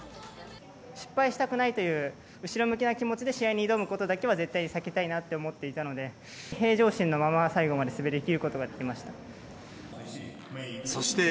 失敗したくないという、後ろ向きな気持ちで試合に挑むことだけは絶対に避けたいなって思っていたので、平常心のまま、最後まで滑りきることができまし